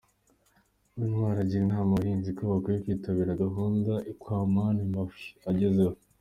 Uwintwali agira inama abahinzi ko bakwiye kwitabira gahunda Kampani M-Ahwii ibagezaho.